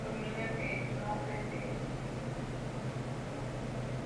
Dominio de nombre de registro y las empresas e-mail.